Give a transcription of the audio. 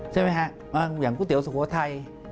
ใช่ไหมครับอย่างกูเตี๋ยวสุโขทัย